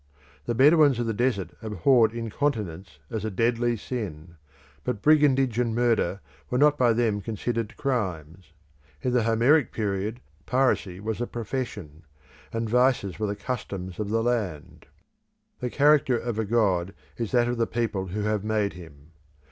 The Bedouins of the desert abhorred incontinence as a deadly sin; but brigandage and murder were not by them considered crimes. In the Homeric period, piracy was a profession, and vices were the customs of the land. The character of a god is that of the people who have made him.